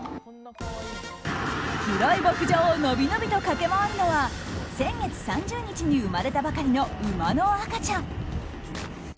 広い牧場を伸び伸びと駆け回るのは先月３０日に生まれたばかりの馬の赤ちゃん。